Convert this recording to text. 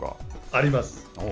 あります。